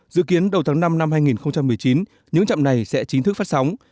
dự kiến đầu tháng năm năm hai nghìn một mươi chín những trạm này sẽ chính thức phát sóng